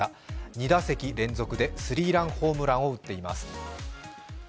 ２打席連続でスリーランホームランを打っています。